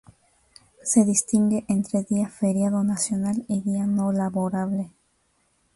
Se distingue entre día feriado nacional y día no laborable.